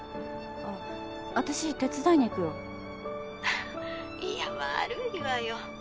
あ私手伝いに行くよいや悪いわよ。